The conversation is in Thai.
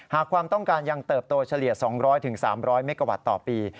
ความต้องการยังเติบโตเฉลี่ย๒๐๐๓๐๐เมกะวัตต์ต่อปี